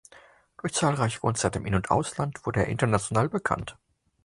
Durch zahlreiche Konzerte im In- und Ausland wurde er international bekannt.